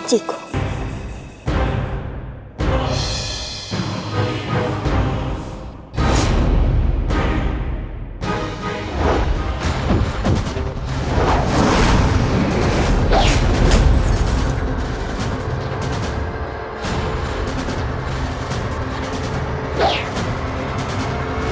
atau aku salah menilaimu nimas